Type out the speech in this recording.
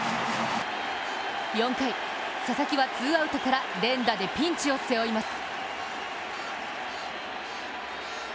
４回、佐々木はツーアウトから連打でピンチを背負います。